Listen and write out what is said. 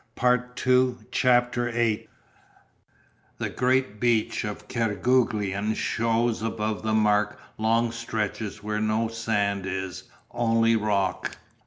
PART II CHAPTER VIII THE AWAKENING The great beach of Kerguelen shews above tide mark long stretches where no sand is, only rock.